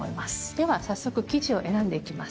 では早速生地を選んでいきます。